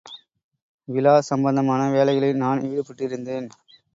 விழா சம்பந்தமான வேலைகளில் நான் ஈடுபட்டிருந்தேன்.